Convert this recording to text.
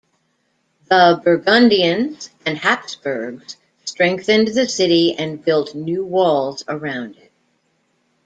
The Burgundians and Habsburgs strengthened the city and built new walls around it.